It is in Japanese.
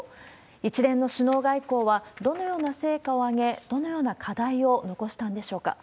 一連の首脳外交はどのような成果を上げ、どのような課題を残したんでしょうか。